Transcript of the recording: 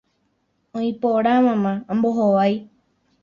Oĩ porã mama, ambohovái.